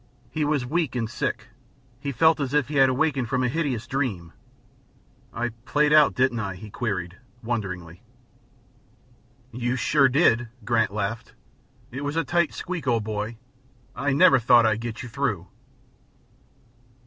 He was weak and sick; he felt as if he had awakened from a hideous dream. "I played out, didn't I?" he queried, wonderingly. "You sure did," Grant laughed. "It was a tight squeak, old boy. I never thought I'd get you through."